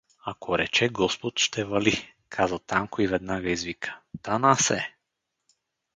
— Ако рече господ, ще вали — каза Танко и веднага извика: — Танасе!